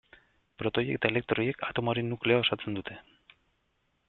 Protoiek eta elektroiek atomoaren nukleoa osatzen dute.